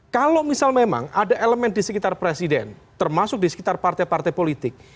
kalau misal memang ada elemen di sekitar presiden termasuk di sekitar partai partai politik